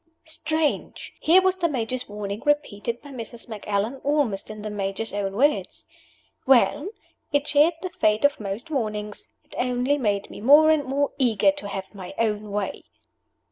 Strange! Here was the Major's warning repeated by Mrs. Macallan, almost in the Major's own words. Well! It shared the fate of most warnings. It only made me more and more eager to have my own way.